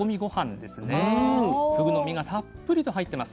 ふぐの身がたっぷりと入ってます。